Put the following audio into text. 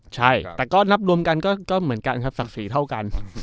ใช่แต่ก็นับรวมกันก็เหมือนกันครับศักดิ์ศรีเท่ากัน